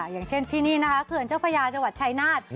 อย่างเช่นที่นี่นะคะเขื่อนเจ้าพญาจังหวัดชายนาฏ